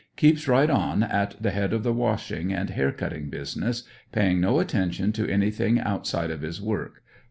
Keeps right on at the head of the washing and hair cutting business, pay ing no attention to anything outside of his work.